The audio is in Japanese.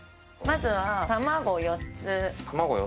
まずは卵４つ。